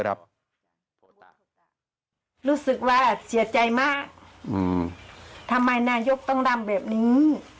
รู้สึกว่าเสียใจมากทำไมนายกต้องทำแบบนี้